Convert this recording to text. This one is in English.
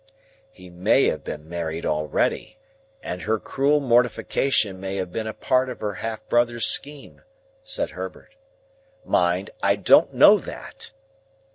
"He may have been married already, and her cruel mortification may have been a part of her half brother's scheme," said Herbert. "Mind! I don't know that."